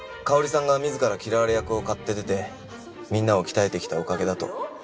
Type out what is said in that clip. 香織さんが自ら嫌われ役を買って出てみんなを鍛えてきたおかげだと。